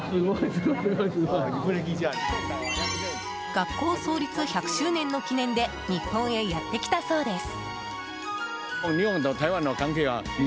学校創立１００周年の記念で日本へやってきたそうです。